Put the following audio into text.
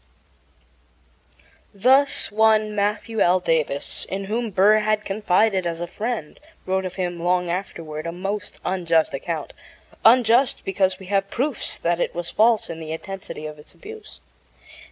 Thus one Matthew L. Davis, in whom Burr had confided as a friend, wrote of him long afterward a most unjust account unjust because we have proofs that it was false in the intensity of its abuse.